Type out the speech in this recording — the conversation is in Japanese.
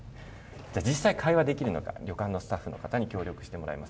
実際、会話できるのか、旅館のスタッフの方に協力してもらいます。